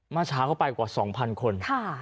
มาช้าก็ไปกว่า๒๐๐๐คน